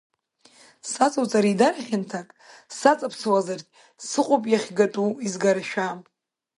Саҵоуҵар еидара хьанҭак, саҵаԥсуазаргь, сыҟоуп иахьгатәу изгарашәа.